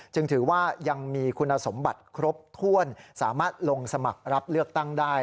ถือว่ายังมีคุณสมบัติครบถ้วนสามารถลงสมัครรับเลือกตั้งได้